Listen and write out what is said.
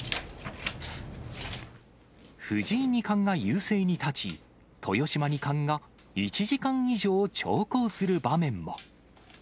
藤井二冠が優勢に立ち、豊島二冠が１時間以上長考する場面も。